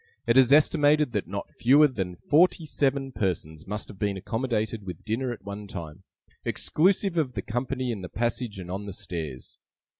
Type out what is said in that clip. It is estimated that not fewer than forty seven persons must have been accommodated with dinner at one time, exclusive of the company in the passage and on the stairs.